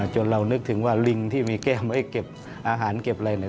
จนเรานึกถึงว่าลิงที่มีแก้มไว้เก็บอาหารเก็บอะไรเนี่ย